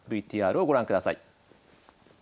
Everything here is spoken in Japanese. ＶＴＲをご覧ください。